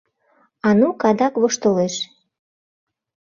— Анук адак воштылеш.